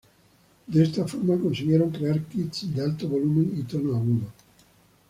De esta forma consiguieron crear kits de alto volumen y tono agudo.